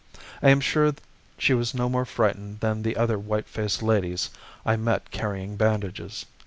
I am sure she was no more frightened than the other white faced ladies I met carrying bandages.